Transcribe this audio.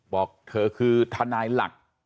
บอกเธอคือทนายหลัก